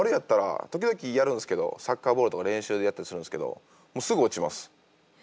時々やるんすけどサッカーボールとか練習でやったりするんすけどもうすぐ落ちます。